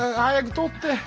早く取って！